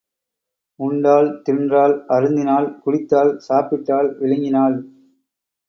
உண்டாள், தின்றாள், அருந்தினாள், குடித்தாள், சாப்பிட்டாள், விழுங்கினாள்